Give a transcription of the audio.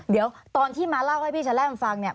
เดี๋ยวตอนที่มาเล่าให้พี่ชะแรมฟังเนี่ย